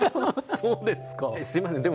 そうですか。